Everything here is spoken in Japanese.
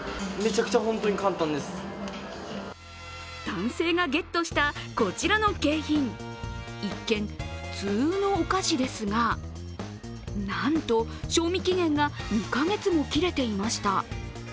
男性がゲットした、こちらの景品一見、普通のお菓子ですがなんと賞味期限が２か月も切れていました。